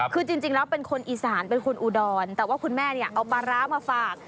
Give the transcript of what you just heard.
คือจริงแล้วเป็นคนอีสานเป็นคนอุดรแต่ว่าคุณแม่เนี่ยเอาปลาร้ามาฝาก